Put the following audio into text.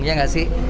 ya tidak sih